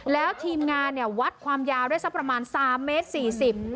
แล้วทีมงานเนี่ยวัดความยาวได้สักประมาณ๓เมตร๔๐